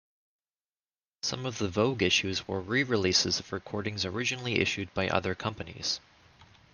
Some of the Vogue issues were re-releases of recordings originally issued by other companies.